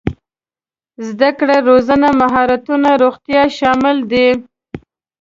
زده کړه روزنه مهارتونه روغتيا شامل دي.